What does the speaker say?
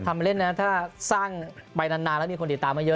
มาเล่นนะถ้าสร้างไปนานแล้วมีคนติดตามมาเยอะ